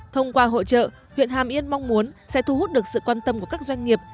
thông qua hội trợ huyện hàm yên mong muốn sẽ thu hút được sự quan tâm của các doanh nghiệp